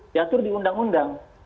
diatur di undang undang